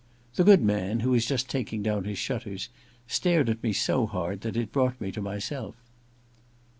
The good man, who was just taking down his shutters, stared at me so hard that it brought me to myself.